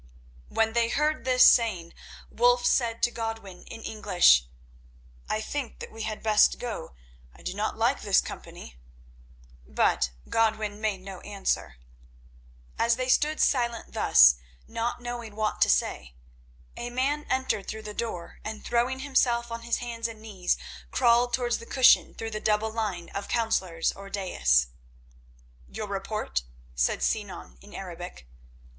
When they heard this saying Wulf said to Godwin, in English: "I think that we had best go; I do not like this company." But Godwin made no answer. As they stood silent thus, not knowing what to say, a man entered through the door, and, throwing himself on his hands and knees, crawled towards the cushion through the double line of councillors or daïs. "Your report?" said Sinan in Arabic.